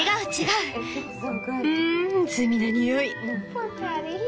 うん罪なにおい！